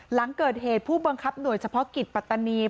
หลังเกิดเหตุผู้บังคับหน่วยเฉพาะกิจปัตตานี